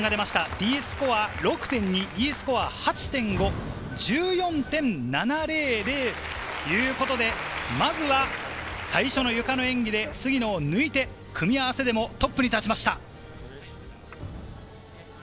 Ｄスコア６．２、Ｅスコアは８．５、１４．７００ということでまずは最初のゆかの演技で杉野を抜いて、組み合わせでもトップに立ちました。